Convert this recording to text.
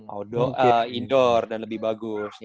audo indoor dan lebih bagus